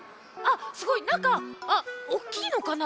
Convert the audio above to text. すごいなんかおおきいのかな。